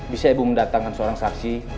bisa ibu mendatangkan seorang saksi